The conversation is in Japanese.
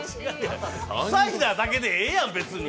サイダーだけでええやん、別に。